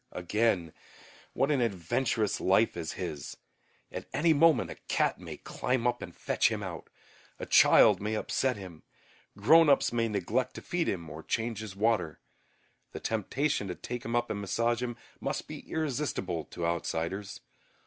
Again, what an adventurous life is his. At any moment a cat may climb up and fetch him out, a child may upset him, grown ups may neglect to feed him or to change his water. The temptation to take him up and massage him must be irresistible to outsiders.